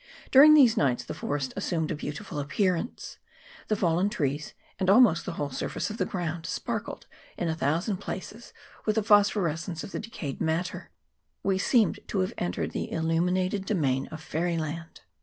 During these nights the forest assumed a beautiful appearance : the fallen trees, and almost the whole surface of the ground, sparkled in a thousand places with the phosphorescence of the decayed matter ; we seemed to have entered the illuminated domain of fairy land.